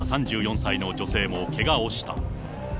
近くにいた３４歳の女性もけがをした。